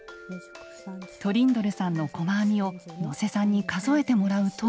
トリンドルさんの細編みを能勢さんに数えてもらうと。